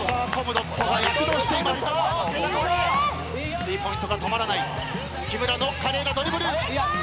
スリーポイントが止まらない木村の華麗なドリブル。